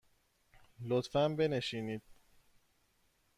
لطفاً بنشینید.